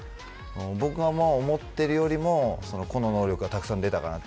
僕が思っているよりも個の能力がたくさん出たかなと。